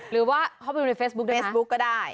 หรือว่าเข้าไปดูในเฟซบุ๊คเฟซบุ๊คก็ได้